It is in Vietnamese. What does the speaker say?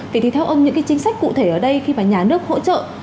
vậy thì theo ông những cái chính sách cụ thể ở đây khi mà nhà nước hỗ trợ